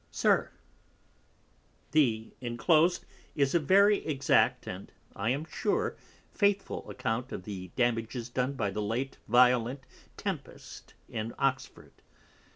SIR, The inclos'd is a very exact, and I am sure, faithful Account of the Damages done by the late Violent Tempest in Oxford.